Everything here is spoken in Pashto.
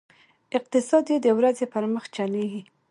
اقتصاد یې د ورځې پر مخ چلېږي.